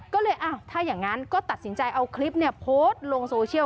ก็เลยถ้าอย่างนั้นก็ตัดสินใจเอาคลิปโพสต์ลงโซเชียล